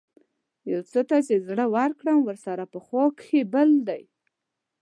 يو ته چې زړۀ ورکړم ورسره پۀ خوا کښې بل دے